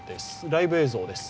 ライブ映像です。